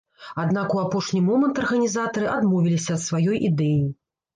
Аднак у апошні момант арганізатары адмовіліся ад сваёй ідэі.